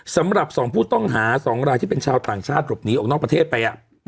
สำหรับ๒ผู้ต้องหา๒รายที่เป็นชาวต่างชาติหลบหนีออกนอกประเทศไป